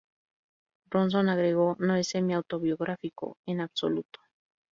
Ronson agregó, "no es semi-autobiográfico en absoluto".